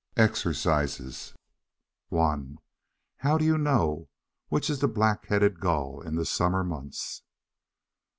EXERCISES 1. How do you know which is the Black headed Gull in the summer months?